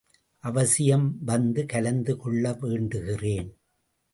அவசியம் வந்து கலந்து கொள்ள வேண்டுகிறேன்.